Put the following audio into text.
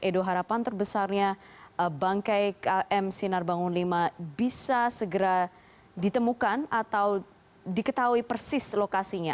edo harapan terbesarnya bangkai km sinar bangun v bisa segera ditemukan atau diketahui persis lokasinya